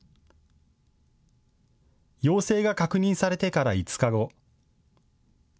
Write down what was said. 陽性が確認されてから５日後。